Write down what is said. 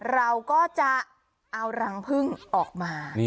เราก็จะเอารังพึ่งออกมา